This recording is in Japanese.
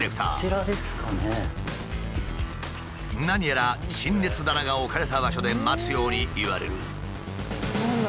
何やら陳列棚が置かれた場所で待つように言われる。